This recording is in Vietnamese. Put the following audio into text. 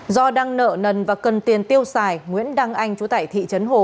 do đăng nợ nần và cần tiền tiêu xài nguyễn đăng anh chú tải thị trấn hồ